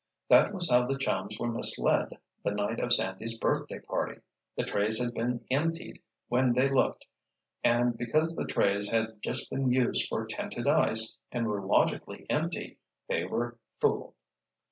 That was how the chums were misled the night of Sandy's birthday party. The trays had been emptied when they looked, and because the trays had just been used for tinted ice and were logically empty, they were fooled.